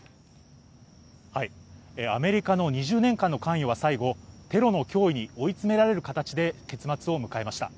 アメリカの２０年間の関与は最後、テロの脅威にさらされながら、追い詰められる形の結末を迎えました。